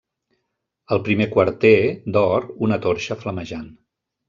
Al primer quarter, d'or, una torxa flamejant.